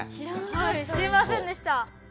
はい知りませんでした。